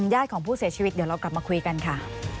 ญาติของผู้เสียชีวิตเดี๋ยวเรากลับมาคุยกันค่ะ